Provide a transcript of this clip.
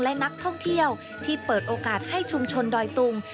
และนักท่องเที่ยวที่เปิดโอกาสให้ชุมชนดอยตุง